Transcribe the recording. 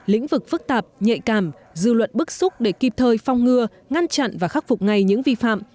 lĩnh vực phức tạp nhạy cảm dư luận bức xúc để kịp thời phong ngừa ngăn chặn và khắc phục ngay những vi phạm